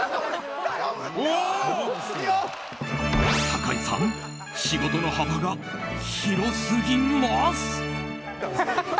酒井さん、仕事の幅が広すぎます！